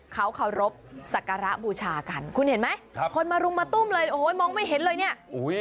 เขาเคารพสักการะบูชากันคุณเห็นไหมคนมารุมมาตุ้มเลยโอ้ยมองไม่เห็นเลยเนี่ย